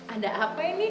ada apa ini